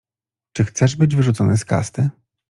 — Czy chcesz być wyrzucony z kasty?